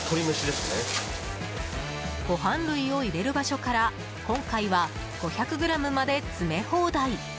ご飯類を入れる場所から今回は５００ｇまで詰め放題。